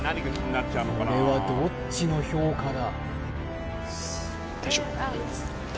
これはどっちの評価だ